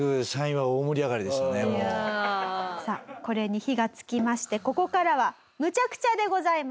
さあこれに火がつきましてここからはむちゃくちゃでございます。